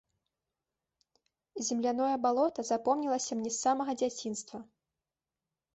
Земляное балота запомнілася мне з самага дзяцінства.